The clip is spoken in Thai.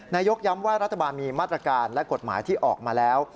ย้ำว่ารัฐบาลมีมาตรการและกฎหมายที่ออกมาแล้ว